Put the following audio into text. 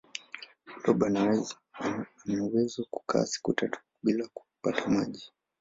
blob anawezo kukaa siku tatu bila kupata maji